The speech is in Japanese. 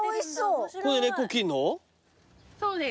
そうです。